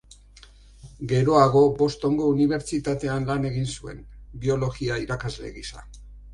Geroago Bostongo unibertsitatean lan egin zuen, biologia irakasle gisa.